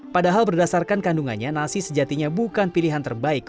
padahal berdasarkan kandungannya nasi sejatinya bukan pilihan terbaik